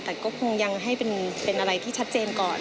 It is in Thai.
แต่ก็คงยังให้เป็นอะไรที่ชัดเจนก่อน